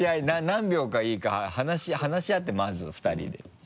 何秒がいいか話し合ってまず二人で。